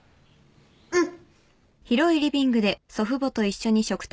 うん。